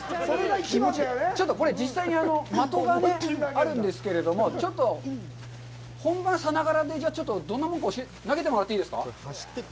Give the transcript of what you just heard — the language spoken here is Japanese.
ちょっとこれ、実際に的があるんですけれども、ちょっと本番さながらでどんなもんか、投げてもらっていいですか。